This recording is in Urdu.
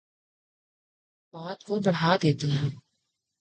بات کو بڑھا دیتے ہیں